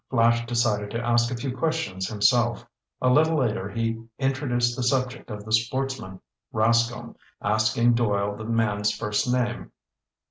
Flash decided to ask a few questions himself. A little later he introduced the subject of the sportsman, Rascomb, asking Doyle the man's first name.